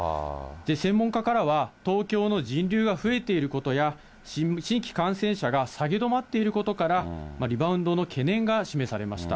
専門家からは、東京の人流が増えていることや、新規感染者が下げ止まっていることから、リバウンドの懸念が示されました。